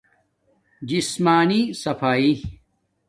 جسمانی صفایݵ